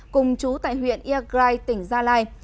cùng chú tại huyện yagrai tỉnh gia lai